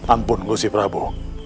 ampun gusti prabu